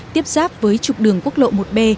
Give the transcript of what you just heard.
tiếp giáp với trục đường quốc lộ một b